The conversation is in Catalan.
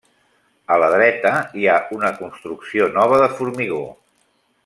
A la dreta hi ha una construcció nova de formigó.